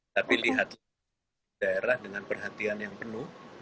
tapi lihatlah daerah dengan perhatian yang penuh